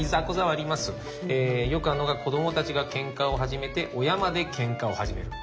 よくあるのが子どもたちがケンカを始めて親までケンカを始める。